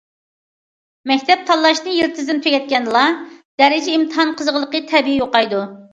مەكتەپ تاللاشنى يىلتىزىدىن تۈگەتكەندىلا،‹‹ دەرىجە ئىمتىھان قىزغىنلىقى›› تەبىئىي يوقايدۇ.